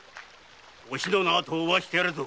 おしのの後を追わせてやるぞ。